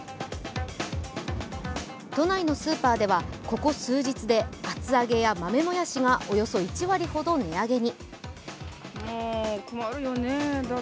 都内のスーパーではここ数日で厚揚げや豆もやしがおよそ１割ほど値上げに。